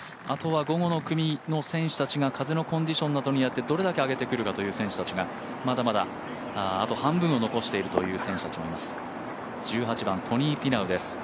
あとは午後の組の選手たちが風のコンディションなどによってどれだけ上げてくるかという選手たちがまだまだ半分を残しているという選手たちもいます、１８番トニー・フィナウです